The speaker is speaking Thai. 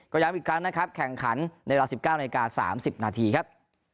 ก็ย้ำอีกครั้งนะครับแข่งขันในเวลา๑๙นาที๓๐นาทีครับ